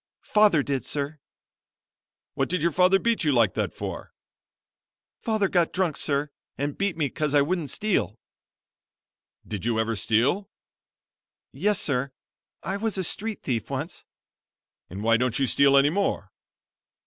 "Father did, sir." "What did your father beat you like that for?" "Father got drunk sir, and beat me 'cos I wouldn't steal." "Did you ever steal?" "Yes, sir, I was a street thief once." "And why don't you steal any more?"